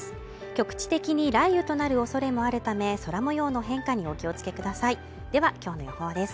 局地的に雷雨となるおそれもあるため空模様の変化にお気をつけくださいではきょうの予報です